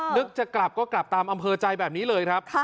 จะกลับก็กลับตามอำเภอใจแบบนี้เลยครับ